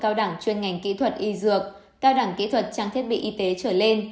cao đẳng chuyên ngành kỹ thuật y dược cao đẳng kỹ thuật trang thiết bị y tế trở lên